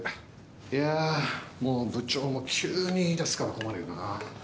いやー、もう部長も急に言い出すから困るよな。